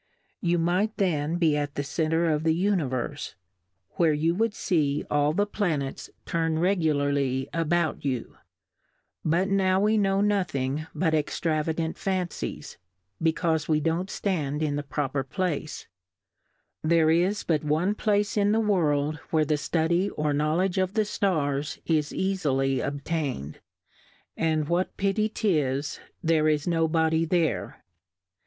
You might then be at the Center of the U iiiverfe, where you wou'd fee all the Planets I 10 Difcoiirfes on the Planets turn regularly about you ; but now we know nothing but extravagant Fancies, becaufe we don't ftand in the proper Place ; there is but one Place in the World where the Study or Know ledge of the Stars is eafily obtain^, and what pity 'tis there is no Body there.